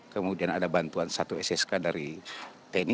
kemudian ada bantuan satu ssk dari tni